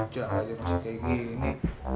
jangan aja masih kayak gini